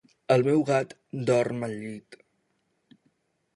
El meu gat dorm al llit.